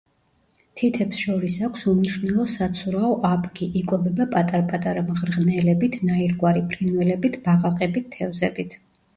თითებს შორის აქვს უმნიშვნელო საცურაო აპკი, იკვებება პატარ-პატარა მღრღნელებით, ნაირგვარი ფრინველებით, ბაყაყებით, თევზებით.